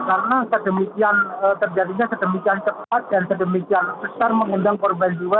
karena terjadinya sedemikian cepat dan sedemikian besar mengendang korban jiwa